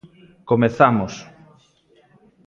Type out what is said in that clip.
Comezamos.